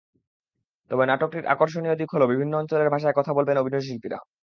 তবে নাটকটির আকর্ষণীয় দিক হলো বিভিন্ন অঞ্চলের ভাষায় কথা বলবেন অভিনয়শিল্পীরা।